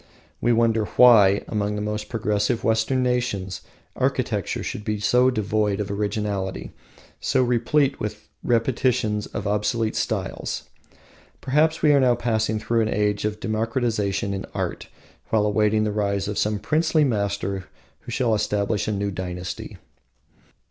We marvel why, among the most progressive Western nations, architecture should be so devoid of originality, so replete with repetitions of obsolete styles. Perhaps we are passing through an age of democratisation in art, while awaiting the rise of some princely master who shall establish a new dynasty.